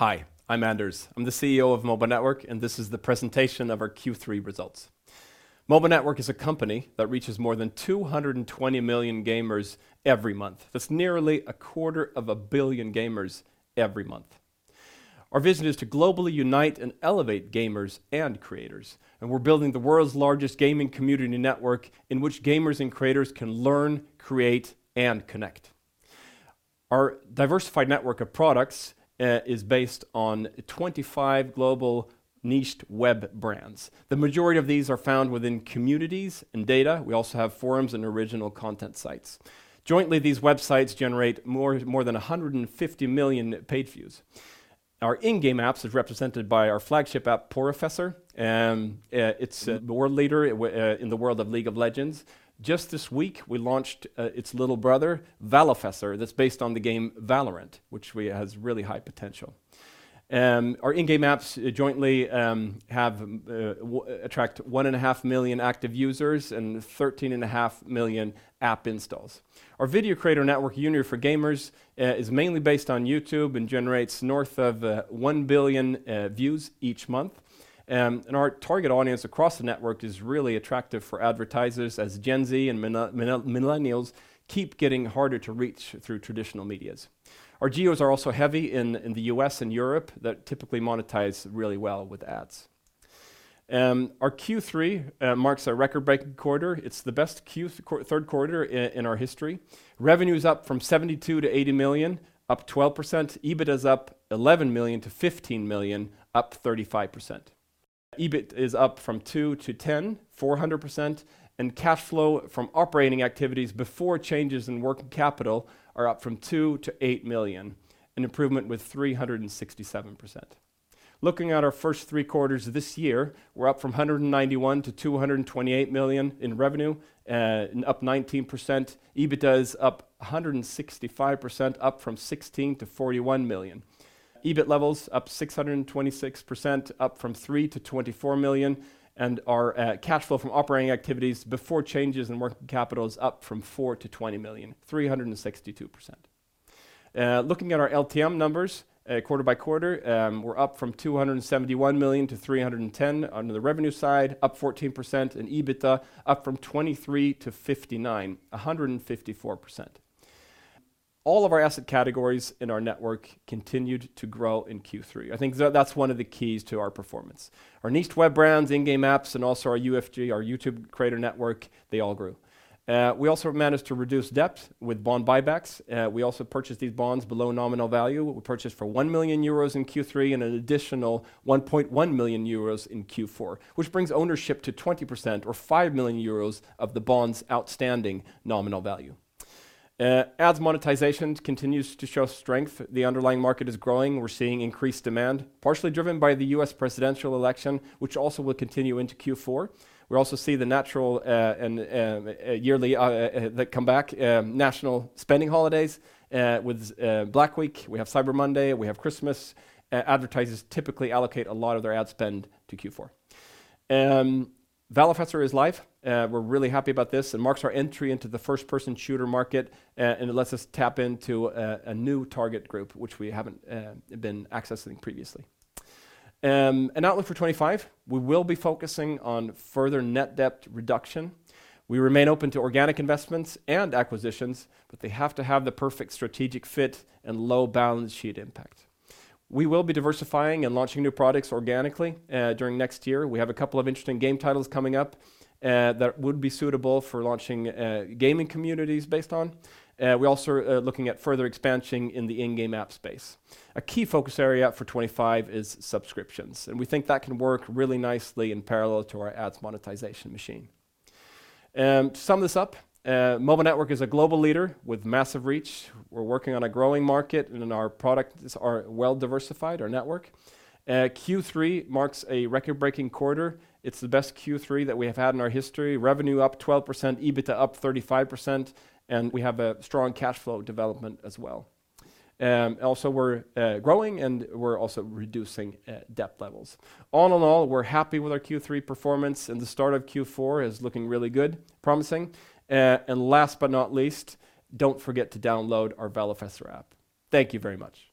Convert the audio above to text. Hi, I'm Anders. I'm the CEO of M.O.B.A. Network, and this is the presentation of our Q3 results. M.O.B.A. Network is a company that reaches more than two hundred and twenty million gamers every month. That's nearly a quarter of a billion gamers every month. Our vision is to globally unite and elevate gamers and creators, and we're building the world's largest gaming community network, in which gamers and creators can learn, create, and connect. Our diversified network of products is based on twenty-five global niched web brands. The majority of these are found within communities and data. We also have forums and original content sites. Jointly, these websites generate more than a hundred and fifty million page views. Our in-game apps is represented by our flagship app, Porofessor. It's a world leader in the world of League of Legends. Just this week, we launched its little brother, Valofessor, that's based on the game Valorant, which has really high potential. Our in-game apps jointly attract 1.5 million active users and 13.5 million app installs. Our video creator network, Union For Gamers, is mainly based on YouTube and generates north of 1 billion views each month. Our target audience across the network is really attractive for advertisers as Gen Z and Millennials keep getting harder to reach through traditional media. Our geos are also heavy in the U.S. and Europe, that typically monetize really well with ads. Our Q3 marks a record-breaking quarter. It's the best third quarter in our history. Revenue is up from 72 million to 80 million, up 12%. EBITDA is up 11 million to 15 million, up 35%. EBIT is up from 2 million to 10 million, 400%, and cash flow from operating activities before changes in working capital are up from 2 million to 8 million, an improvement with 367%. Looking at our first three quarters of this year, we're up from 191 to 228 million in revenue, up 19%. EBITDA is up 165%, up from 16 million to 41 million. EBIT levels up 626%, up from 3 million to 24 million, and our cash flow from operating activities before changes in working capital is up from 4 million to 20 million, 362%. Looking at our LTM numbers, quarter by quarter, we're up from 271 million to 310 million on the revenue side, up 14%, and EBITDA up from 23 to 59, 154%. All of our asset categories in our network continued to grow in Q3. I think that's one of the keys to our performance. Our niche web brands, in-game apps, and also our UFG, our YouTube creator network, they all grew. We also managed to reduce debt with bond buybacks. We also purchased these bonds below nominal value. We purchased for 1 million euros in Q3 and an additional 1.1 million euros in Q4, which brings ownership to 20% or 5 million euros of the bond's outstanding nominal value. Ads monetization continues to show strength. The underlying market is growing. We're seeing increased demand, partially driven by the U.S. presidential election, which also will continue into Q4. We also see the natural and yearly national spending holidays that come back with Black Week. We have Cyber Monday. We have Christmas. Advertisers typically allocate a lot of their ad spend to Q4. Valofessor is live. We're really happy about this. It marks our entry into the first-person shooter market and it lets us tap into a new target group, which we haven't been accessing previously. Outlook for 2025, we will be focusing on further net debt reduction. We remain open to organic investments and acquisitions, but they have to have the perfect strategic fit and low balance sheet impact. We will be diversifying and launching new products organically during next year. We have a couple of interesting game titles coming up that would be suitable for launching gaming communities based on. We're also looking at further expansion in the in-game app space. A key focus area for 2025 is subscriptions, and we think that can work really nicely in parallel to our ads monetization machine. To sum this up, M.O.B.A. Network is a global leader with massive reach. We're working on a growing market, and our products are well diversified, our network. Q3 marks a record-breaking quarter. It's the best Q3 that we have had in our history. Revenue up 12%, EBITDA up 35%, and we have a strong cash flow development as well. Also, we're growing, and we're also reducing debt levels. All in all, we're happy with our Q3 performance, and the start of Q4 is looking really good, promising, and last but not least, don't forget to download our Valofessor app. Thank you very much.